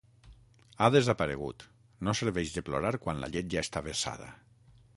Ha desaparegut, no serveix de plorar quan la llet ja està vessada.